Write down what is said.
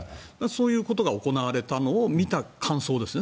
そういうことが行われたのを見た感想ですね。